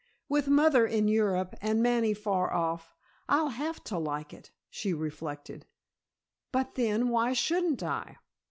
"With mother in Europe and Manny far off, I'll have to like it," she reflected, "but then, why shouldn't I?"